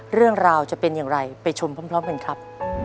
เรื่องราวจะเป็นอย่างไรไปชมพร้อมกันครับ